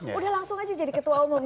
sudah langsung saja jadi ketua umum gitu ya